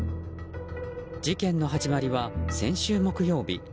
事件の始まりは、先週木曜日。